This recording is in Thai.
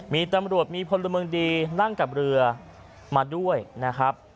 มีตำรวจมีพลเมืองดีนั่งกับเรือมาด้วยนะครับ